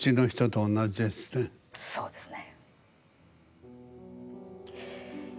そうですね。